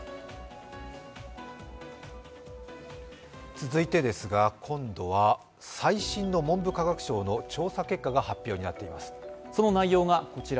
続いて、今度は最新の文部科学省の調査結果が発表になっています。